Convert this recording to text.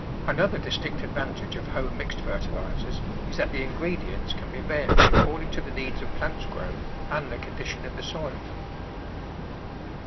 Another distinct advantage of home mixed fertilisers is that the ingredients can be varied according to the needs of plants grown and the condition of the soil.